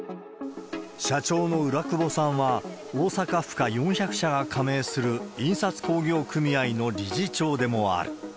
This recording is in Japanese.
社長の浦久保さんは、大阪府科４００社が加盟する印刷工業組合の理事長でもある。